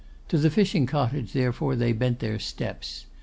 To the fishing cottage, therefore, they bent their steps.